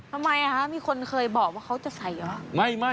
ทำไมคะมีคนเคยบอกว่าเขาจะใส่เหรอ